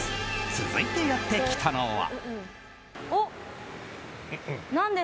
続いてやってきたのは。